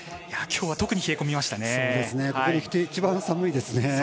きょうは特に冷え込みましたね。